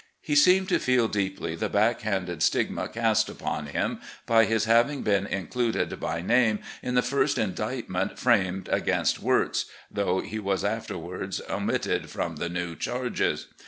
He seemed to feel deeply the backhanded stigma cast upon him by his having been included by name in the first indictment framed against Wirz, though he was afterward omitted from the new charges.